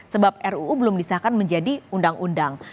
sebab ruu belum disahkan menjadi undang undang